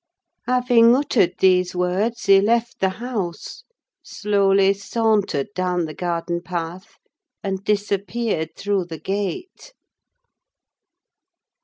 Having uttered these words he left the house, slowly sauntered down the garden path, and disappeared through the gate.